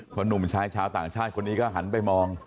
ผู้หนุ่มชายก็ต่างชาติคนนี้ก็หันไปมอง